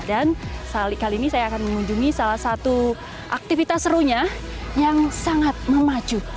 kali ini saya akan mengunjungi salah satu aktivitas serunya yang sangat memacu